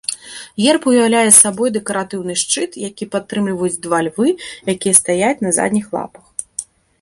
Герб уяўляе сабой дэкаратыўны шчыт, які падтрымліваюць два львы, якія стаяць на задніх лапах.